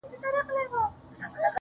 راډيو.